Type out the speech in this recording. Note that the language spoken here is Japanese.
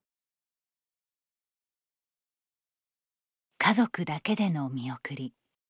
家族だけでの見送り。